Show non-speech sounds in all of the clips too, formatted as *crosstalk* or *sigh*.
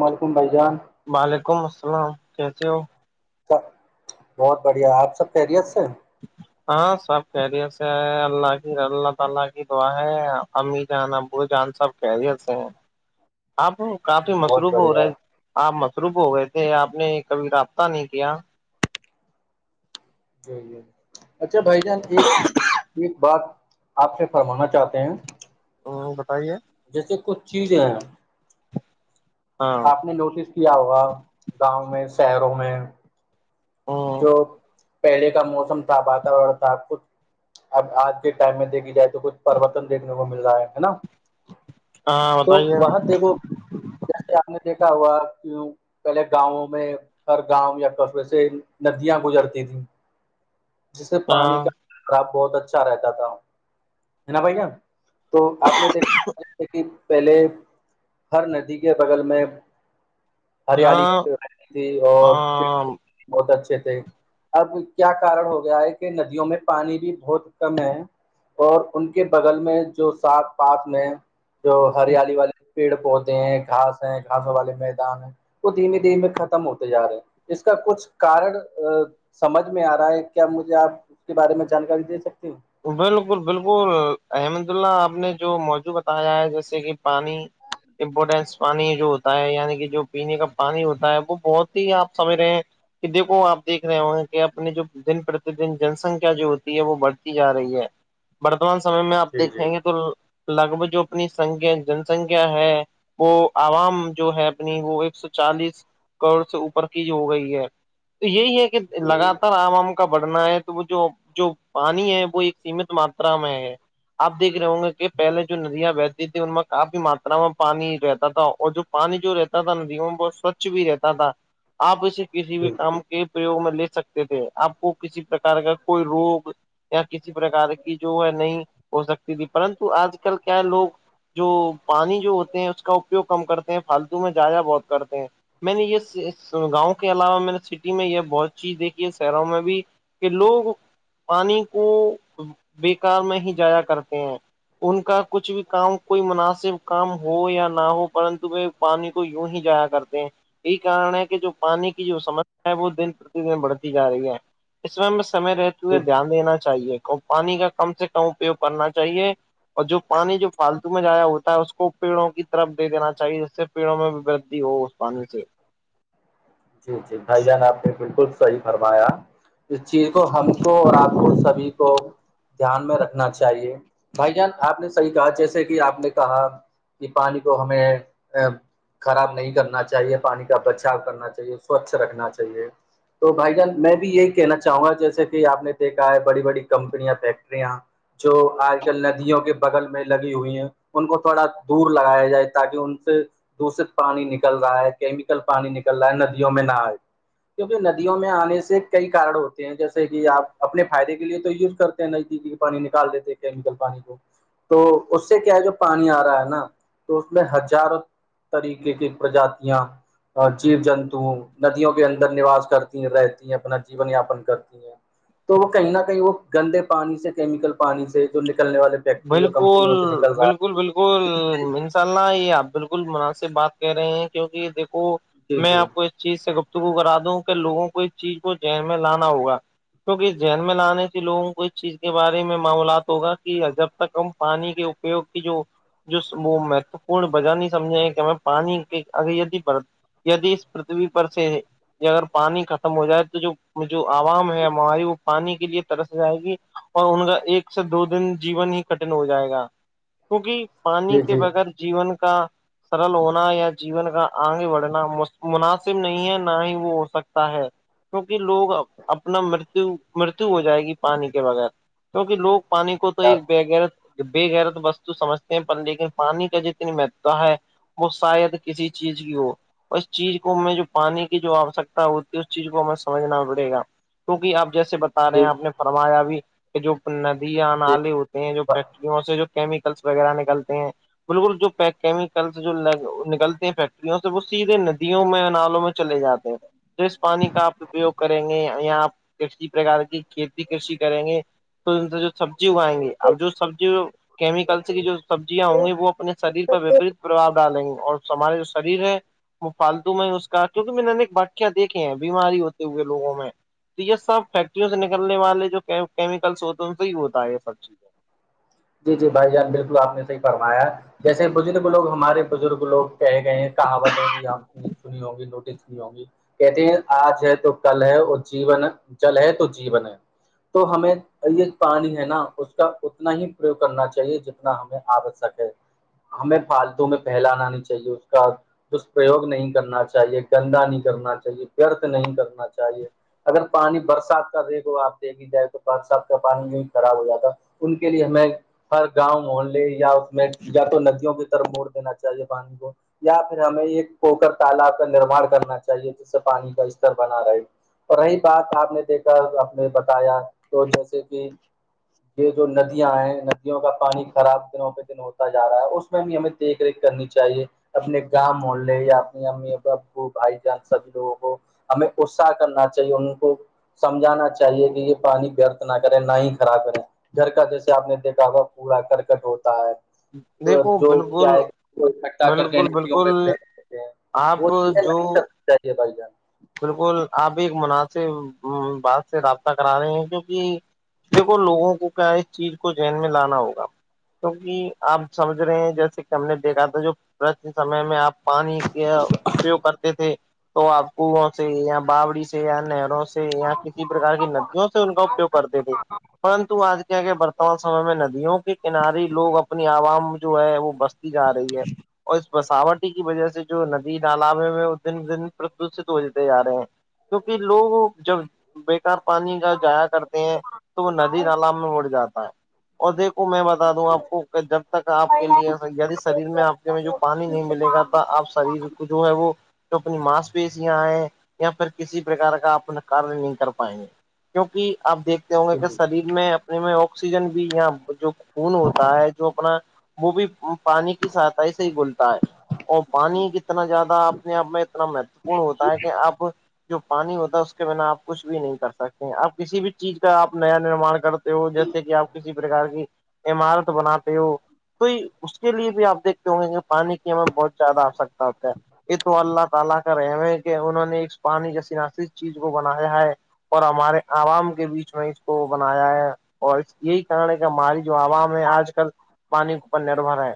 وعلیکم بھائی جان وعلیکم السلام کیسے ہو بہت بڑھیا آپ سب خیریت سے جی ہاں سب خیریت سے ہے اللہ کی اللہ تعالی کی دعا ہے امی جان ابو جان سب خیریت سے آپ کافی جی بہت مصروف ہو رہا بڑھیا ہے آپ مصروف ہو گئے تھے آپ نے کبھی رابطہ نہیں کیا جی اچھا بھائی جان ایک ایک بات آپ سے فرمانا چاہتے ہیں بتائیے جیسے کچھ چیزیں ہیں ہاں آپ نے نوٹس کیا ہوگا گاؤں میں شہروں میں ہوں جو پہلے کا موسم تھا پاتور تھا خود اب آج کے ٹائم میں دیکھی جائے تو کچھ پروررتن دیکنے کو مل رہا ہے نا ہاں تو بتائیے وہاں دیکھو جیسے آپ نے دیکھا ہوا کیوں پہلے گاؤوں میں ہر گاؤں یا قصبی سے ندیاں گزرتی تھیں جس سے پانی ہاں کا حساب بہت اچھا رہتا تھا ہے نا بھائی جان تو آپ نے دیکھا کہ پہلے ہر ندی کے بغل میں ہریالی ہاں رہتی تھی اور ہاں بہت اچھا تھے اب کیا کارن ہو گیا ہے کہ ندیوں میں پانی بھی بہت کم ہے اور ان کے بغل میں جو سات پات میں جو ہریالی والی پیڑ پودے ہیں گھاس ہے گھاسوں والے میدان ہیں دھیمے دھیمے ختم ہوتے جا رہے ہیں اس کا کچھ کارن سمجھ میں آ رہا ہے کیا مجھے آپ اس کے بارے میں جانکاری دے سکتے ہو بالکل بالکل احمد اللہ آپ نے جو موضوع بتایا ہے جیسے کہ پانی امپورٹینس پانی جو ہوتا ہے یعنی کہ جو پینے کا پانی ہوتا ہے وہ بہت ہی آپ سمجھ رہے ہیں کہ دیکو آپ دیکھ رہے کہ اپنے جو دن پرتی دن جنسنکھیا جو ہوتی ہے وہ بڑھتی جا رہی ہے ورتمان سمے میں آپ جی جی دیکھیں گے تو لگ بھگ جو اپنی سنکھیا جن سنکھیا ہے وہ عوام جو ہے اپنی وہ ایک سو چالیس کروڑ سے اوپر کی ہو گئی ہے تو یہی ہے کہ جی لگاتار عوام کا بڑھنا ہے تو وہ جو جو پانی ہے وہ ایک سیمت ماترا میں ہے آپ دیکھ رہے ہوں گے کہ پہلے جو ندیاں بہتی تھی ان میں کافی ماترا میں پانی رہتا تھا اور جو پانی جو رہتا تھا ندیوں بہت سوچھ بھی رہتا تھا آپ اسے کسی بھی جی کام کے پریوگ میں لے سکتے تھے آپ کو کسی پرکار کا کوئی روگ یا کسی پرکار کی جو ہے نہیں ہو سکتی تھی پرنتو آج کل کیا ہے لوگ جو پانی جو ہوتے ہیں اس کا اپیوگ کم کرتے ہیں فالتو میں جائیا بہت کرتے ہیں میں نے یہ گاؤں کے علاوہ میں نے سٹی میں یہ بہت چیز دیکھی ہے شہروں میں بھی کہ لوگ پانی کو بے کار میں ہی جایا کرتے ہیں ان کا کچھ بھی کام کوئ مناسب کام ہو یا نہ ہو پرنتو میں پانی کو یوں ہی جایا کرتے ہیں یہی کارن ہے کہ جو پانی کی جو سمسیا ہے وہ دن پرتی دن بڑھتی جا رہی ہے اس میں میں سے رہتی ہو ہے جی دھیان دینا چاہیے پانی کا کم سے کم اپیوگ کرنا چاہیے اور جو پانی جو فالتو میں جایا ہوتا ہے اس کو پیڑوں کی طرف دے دینا چاہیے ج سے پیڑوں میں بھی ودھی ہو اس پانی سے جی جٹ بھائی جان آپ نے بالکل صحی فرمایا اس چیز کو ہم کو اور آپ کو سبھی کو دھیان میں رکھنا چاہیے بھائی جان آپ نے صحیح کہا جیسے کہ آپ نے کہا کہ پانی کو ہمیں ا خراب نہیں کرنا چاہیے پانی کا بچاؤ کرنا چاہیے سوچھ رکھنا چاہیے تو بھائی جان میں بھی یہی کہنا چاہوں گا جیسے کہ آپ نے دیکھا ہے بڑی بڑی کمپنیاں فیکٹریاں جو آج کل ندیوں کے بغل میں لگی ہوئی ہیں ان کو تھوڑا دور لگایا جائے تاکہ ان سے دشت پانی نکل رہا ہے کیمیکل پانی نکل رہا ہے ندیوں میں نہ آئے کیونکہ ندیوں میں آنے سے کئی کارن ہوتے ہیں جیسے کہ آپ اپنے فائدے کے لیے تو یوز کرتے نزدیکی پانی نکال دیتے کیمیکل پانی کو تو اس سے کیا ہے جو پانی آ رہا ہے نا تو اس میں ہزار طریقے کی پرجاتیاں جیو جنتو ندیوں کے اندر نواس کرتی ہیں رہتی ہیں اپنا جیون یاپن کرتی ہیں تو وہ کہیں نہ کہیں وہ گندے پانی سے کیمیکل پانی سے جو نکلنے والے فیکٹری اور بالکل کمپنیوں سے نکل رہا بالکل بالکل ء اللہ یہ آپ بالکل مناسب بات کہہ رہے ہیں کیونکہ دیکو ہے جی میں جی آپ کو چیز سے گفتگو کرا دوں کہ لوگوں کو اس چیز کو ذین میں لانا ہوگا کیوںکہ ذہن میں لانے سے لوگوں کو اس چیز کے بارے میں معامولات ہوگا کہ جب تک ہم پانی کے اپیوگ کی جو جو وہ مہتوپورن بجہ نہیں سمجے کہ ہم پانی اگر د ید اس پرتھوی پر سے یہ اگر پانی ختم ہو جائے تو جو جو عوام ہے ہماری وہ پانی کے لیے ترس جائے گی اور ان کا ایک سے دو دن جیون ہی کٹن ہو جائے گا کیونکہ پانی جی کے جی بغیر جیون کا سرل ہونا یا جیون کا آگے بڑھنا مناسب نہیں ہے نہ ہی وہ ہو سکتا ہے کیونکہ لوگ اپنا مرت مرتو ہو جائے گی پانی کے بغیر کیونکہ لوگ پانی کو تو ایک بےغیرت بےغیرت وستو سمجھتے ہیں پر لیکن پانی کا جتنی مہتتا ہے وہ شاید کسی چیز کی ہو اس چیز کو ہم جو پانی کی جو آوشکتا ہوتی ہے اس چیز کو ہمیں سمجھنا پڑے گا کیونکہ آپ جیسے بتا رہے ہیں جی آپ نے فرمایا بھی کہ جو ندیاں جی نالے ہوتے ہیں جو فیکٹری سے کیمیکلس وغیرہ نکلتے ہیں بالکل جو کیمیکلس جو نکلتے ہیں فیکٹ وں سے وہ سیدھے ندیوں میں نالوں میں چلے جاتے ہیں س پانی کا آپ اپیوگ کریں گے یہاں کسی پرکار کی کھیتی کشی کریں گے تو جو سبزی اگائیں گی اب جو سبزی کیمیکلس کی جو سبزیاں ہوں گی وہ اپنے شریر پر وپریت پرباؤ ڈالیں گے اور ہمارے جو شریر ہے پالتو میں اس کا کیوںہ میں نےک بٹیاں دیکھ ہیں بیماری ہوتی ہوئے لووں میں تو یہ سب فیکٹریوں سے نکلنے والے جو کیمیکلس ہوتے ان سے ہی ہوتے یہ سب چیزیں *unintelligible* جی جی بھائی جان بالکل آپ نے صحیح فرمایا جیسے بزرگ لوگ ہمارے بزرگ لوگ کہہے گئے ہیں کہاوت ہے بھی آپ کی سنی ہوگی نوٹس نہیں ہوںگی کہتے ہیں آج ہے تو کل ہے اور جین ہے جل ہے تو جین ہے تو ہمیں یہ پانی ہے نا اس کا اتنا ہی پریوگ کرنا چاہیے جتنا ہمیں آوشک ہے ہمیں پالتو میں پہلانا نہیں چاہیے اس کا دسپرریوگ نہیں کرنا چاہیے گندا نہیں کرنا چاہیے ورت نہیں کرنا چاہیے چاہیے اگر پانی برسات کا دیکھو آپ دیک ہی جائے تو برسات کا پانی جو خراب ہو جاتا ان کے لیے ہمیں ہر گاؤں محلے یا اس میں یا تو ندیوں کی طرف موڑ دینا چاہیے پانی کو یا پھر ہمیں ایک پوکر تالاب کا نرماان کرنا چاہیے جس سے پانی کا استر بنا رہے اور رہی بات آپ نے دیکھا آپ نے بتایا تو جیسے کہ یہ جو ندیاں ہے ندیوں کا پانی خراب گہ پہ ہوتا جا رہا ہے اس میں بھی ہمیں دیکھ ریکھ کرنی چاہیے اپنے گاؤ محلے یا اپنی امی باپ ہو بھائی جان سبھی لوگوں ہو ہمیں اس کرنا چاہیے ان کو سمجھانا چاہیے کہ یہ پانی ورت نہ کریں نہ ہی خراب کریں گھر کا جیسے آپ نے دیکھا ہو پڑا کرکٹ ہوتا ہے تو دیکھو جو کیا بالکل ہے اکٹا کر کے بالکل ندیوں بالکل میوں میں فیک دیتے ہیں آپ وہ چیزیں جو نہیں چاہیے بھائی جان *unintelligible* بالکل آپ ایک مناسب بات سے رابطہ کرا رہے ہیں کیونکہ دیکھو لوگوں کو کیا اس چیز کو جین میں لانا ہوگا کیوںکہ آپ سمجھ رہے ہیں جیسے کہ ہم نے دیکھا تھا جو ورادھ سمے میں آپ پانی کا اپیوگ کرتے تھے تو آپ کنو سے یا باوڑی سے سے یا نہروں سے یا کسی پرکار کی ندیوں سے ان کا اپیوگ کرتے تھے پرنتو آج کیا کہ برتمان سمے میں ندیوں کے کنارے لوگ اپنی عوام جو ہے وہ بس جا رہی ہے اور اس بساوٹی کی وجہ سے جو ندی نال میںے میں دن دن دشت ہو جتے جا رہے ہیں کیونکہ لوگ جب بےیکار پانی کا جایا کرتے ہیں تو وہ ندی تال میں اڑ جاتا ہے اور دیکھو میں بتا دوں آپ کو کہ جب تک آپ کے لیے شریر میں آپ کے میں جو پانی نہیں ملے گا تھا آپ شریر کو جو ہے وہ اپنی ماس پ پیس یہاں آئے یا پھر کسی پرک کا اپنا کار نہیں کر پائیں گے کیونکہ آپ دیکھ سیکتے ہوں گے کہ جی شریر میں اپنے میں آکسیجن بھی جو خون ہوتا ہے جو اپنا وہ بھی پانی کی سہتاائی سے ہی گلتا ہے اور پانی کتنا زیادہ اپنے آپ میں اتنا مہتوپورن ہوتا ہے کہ اب جو پانی ہوتا ہے اس کے بنا آپ کچھ بھی نہیں کر سکتے ہیں آپ کسی بھی چیز کا آپ نیا نرماان کر ہو جیسے کہ آپ کسی پرکار کی عمارت بناتے ہو تو اس کے لیے بھی آپ دیکھتے ہوں گے کی پانی کی بہت زیادہ آوشکتا ہوتا ہے تو اللہ تعالی کرے کہ انہوں نے اس پانی چیز کو بنایا ہے اور ہمارے عوام کے بیچ میں اس کو بنایا ہے اور یہی کارن ہے کہ ہماری جو عوام ہے آج کل پانی اوپر نربھر ہے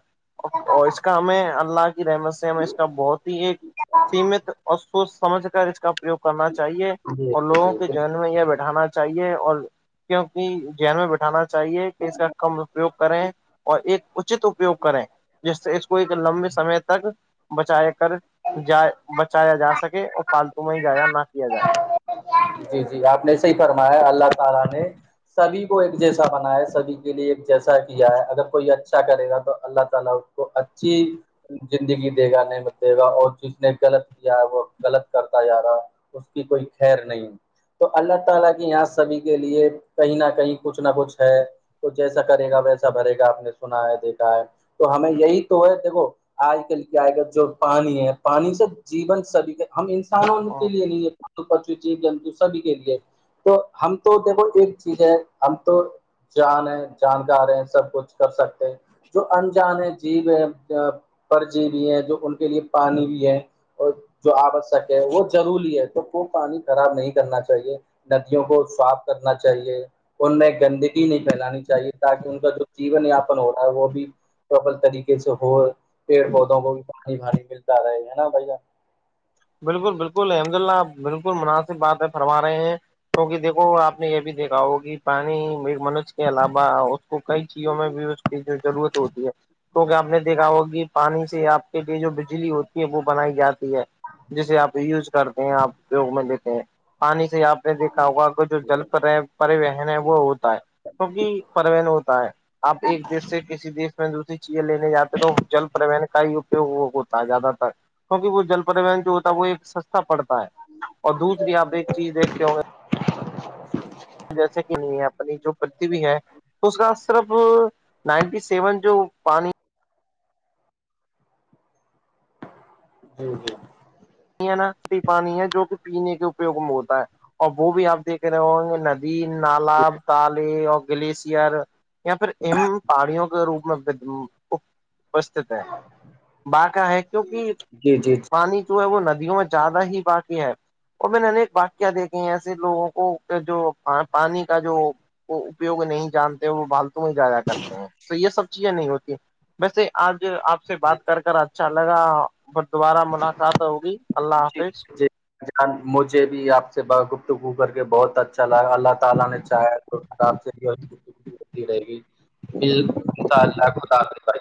اور اس کا ہمیں اللہ کی رحمت سے ہمیں اس کا بہت ہی ایک *inaudible* سیمت اور سوچ سمجھ کر اس کا پریوگ کرنا چاہیے جی اور لوگوں جی کے میں یہ بیٹھانا چاہیے اور کیونکہ جن میں بیٹھانا چاہیے کہ اس کا کم اپیوگ کریں اور ایک اچت اپیوگ کریں جس سے اس کو ایک لمبے بالکل سمے تک بچایا کر جائے بچایا جا سکے اور پالتو میں ہی جایا نہ کیا جائے جی جی آپ نے صحی فرمایا اللہ تعالی نے سبھی کو ایک جیسا بنا ہے سبی کے لیے ایک جیسا کیا ہے اگر کوئی اچھا کرے گا تو اللہ تعالی تو اچھی زندگی دے گا نہیں نمت دے گا اور جس نے غلط کیا ہے وہ غلط کرتا جا رہا ہے اس کی کوئی خیر نہیں تو اللہ تعالی کی یہاں سبھی کے لیے کہیں نہ کہیں کچھ نہ کچھ ہے تو جیسا کرے گا ویسا بھرے گا آپ نے سنا ہے دیکھا ہے تو ہمیں یہی تو ہے دیکھو آج کل کیا آئے گا جو پانی ہے پانی سے جیون سبھی کا ہم ان *inaudible* سبھی کے لیے تو ہم تو دیکھو ایک چیز ہے ہم تو جان ہے جانکار ہے سب کچھ کر سکتے ہیں جو انجان ہے جیب ہے پر جی بھیی ہے جو ان کے لیے پانی بھی ہے اور جو آوشک ہے وہ ضروری ہے تو وہ پانی خراب نہیں کرنا چاہیے ندیوں کو صاف کرنا چاہیے ان میں گندی کو نہیں پھیلانی چاہیے تاکہ ان کا جو جیون یاپن ہو رہا ہے وہ بھی سفل طریقے کسی ہو پیڑ پودوں کو بھی پانی پانی ملتا رہے ہے نا بھ ج بالکل بالکل الحمد للہ آپ بالکل مناسب بات ہے فرما رہے ہیں کیک دیکھو آپ نے یہ بھی دیکھا ہو کہ پانی میر منوج کے اس کے علاوہ اس کو کئی چیزوں میں بھی اس کی جو ضرورت ہوتی ہے کیکہ آپ نے دیکھا ہوگ پانی سے آپ کے لیے جو بجلی ہوتی ہے وہ بنائی جاتی ہے جسے آپ یوز کرتے ہیں آپوگ میں لیتے ہیں پانی سے آپ نے دیکھا ہوگا کہ جو جل پر پریون ہے وہ ہوتا ہے کیونکہ پروین ہوتا ہے آپ ایک دیش سے کسی دیش میں دوسری چیزیں لینے جاتے تو جل پرریوہن کا ہی اپوگ ہوتا ہے زیادہ تر کیونکہ وہ جل پرون جو ہوتا ہے وہ ایک سستا پڑتا ہے اور دوسری آپ ایک چیز دیکھتے ہوں گے جیسے کہ نہیں ہے اپنی جو پرتی بھی ہے اس کا صرف نائنٹی سیون جو پانی جی جی ناٹی پانی ہے جو کہ پینے کے اپوگ میں ہوتا ہے اور وہ بھی آپ دیکھ رہے ہوں گے ندی نالب تالے اور گلیشئر یا پھر ایم پاڑیوں کے روپ میں اپستت ہے با کا ہے کیونکہ جی جی جی جی پانی ہے وہ ندیوں میں زیادہ ہی باقی ہے اور میں نے انیک واقع دیکھے ہیں ایسے لوگوں کو جو پانی کا جو وہ اپیوگ نہیں جانتے ہیں وہ بھالتو میں جایا کرتے ہیں تو یہ سب چیزیں نہیں ہوتی ویسے آج آپ سے بات کر کر اچھا لگا بھر دوبارہ ملاقات ہوگی اللہ حافظ ان مجھے بھی آپ سے با گفتگو کر کے بہت اچھا لگا اللہ تعالی نے چاہیا تی رہے گیاء اللہا